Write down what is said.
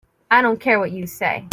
I don't care what you say.